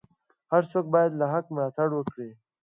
هر څوک باید د حق ملاتړ وکړي.